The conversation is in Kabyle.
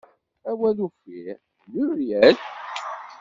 Awal uffir d Muiriel.